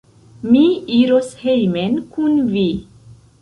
Mi iros hejmen kun vi.